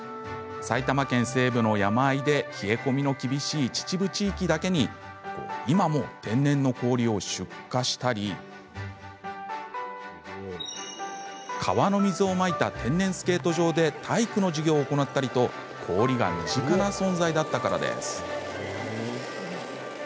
埼玉県の北西部の山あいで冷え込みの厳しい秩父地域だけに今も天然の氷を出荷したり川の水をまいた天然スケート場で体育の授業を行ったりと氷が身近な存在だったからです。